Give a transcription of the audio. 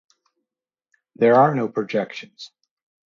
There are no projections.